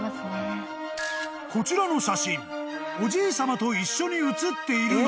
［こちらの写真おじいさまと一緒に写っているのは］